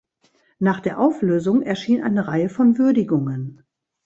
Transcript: Nach der Auflösung erschien eine Reihe von Würdigungen.